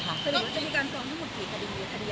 ก็จะมีการฟ้องทั้งหมดกี่คดีหนึ่งค่ะ